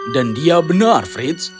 dan dia benar fritz